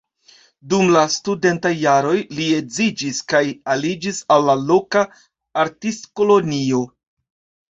Dum la studentaj jaroj li edziĝis kaj aliĝis al la loka artistkolonio.